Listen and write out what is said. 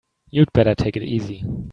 You'd better take it easy.